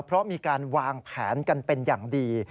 เพราะมีการวางแผนกันเป็นอย่างดี